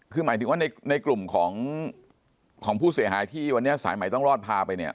คือหมายถึงว่าในกลุ่มของผู้เสียหายที่วันนี้สายใหม่ต้องรอดพาไปเนี่ย